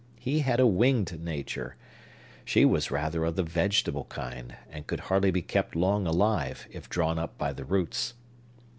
He had a winged nature; she was rather of the vegetable kind, and could hardly be kept long alive, if drawn up by the roots.